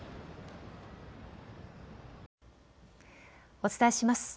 お伝えします。